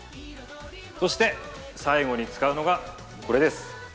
そして最後に使うのがこれです。